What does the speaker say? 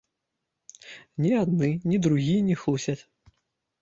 Ні адны, ні другія не хлусяць.